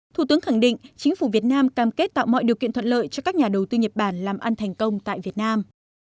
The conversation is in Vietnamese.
thủ tướng khẳng định chính phủ việt nam cam kết tạo mọi điều kiện thuận lợi cho các nhà đầu tư nhật bản làm ăn thành công tại việt nam